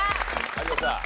有田さん